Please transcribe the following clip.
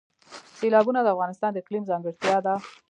سیلابونه د افغانستان د اقلیم ځانګړتیا ده.